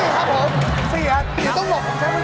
อย่าต้องบอกผมใช้ว่างที่เยอะนะ